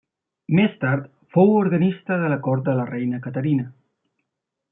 Més tard fou organista de la cort de la reina Caterina.